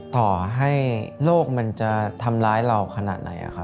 ต่อให้โลกมันจะทำร้ายเราขนาดไหน